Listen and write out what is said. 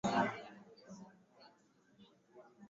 Tangu karne ya saba Waarabu Waislamu walivamia Uajemi na kuifanya